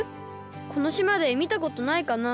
このしまでみたことないかな？